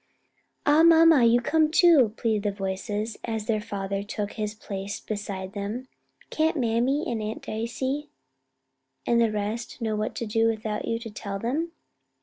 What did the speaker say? "Ah, mamma, you come too!" pleaded the little voices, as their father took his place beside them. "Can't mammy and Aunt Dicey and the rest know what to do without you to tell them?"